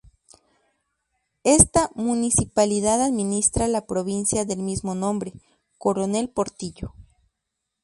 Esta municipalidad administra la provincia del mismo nombre: Coronel Portillo.